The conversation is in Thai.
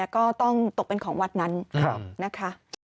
ก็ต้องตกเป็นของวัดนั้นนะคะ